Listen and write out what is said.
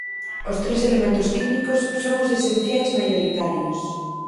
Os tres elementos químicos son os esenciais maioritarios.